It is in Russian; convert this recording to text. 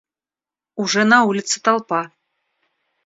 Уже на улице толпа.